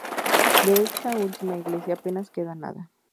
De esta última iglesia apenas queda nada.